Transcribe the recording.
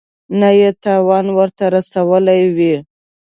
نه یې تاوان ورته رسولی وي.